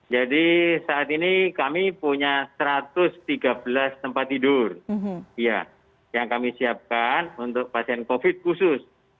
jadi saat ini kami punya satu ratus tiga belas tempat tidur yang kami siapkan untuk pasien covid sembilan belas khusus